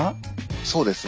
そうですね。